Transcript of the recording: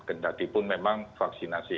ketatipun memang vaksinasi